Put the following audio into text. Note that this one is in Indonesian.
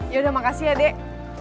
yaudah makasih ya dek